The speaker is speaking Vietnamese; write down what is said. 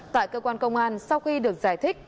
tại cơ quan công an sau khi được giải thích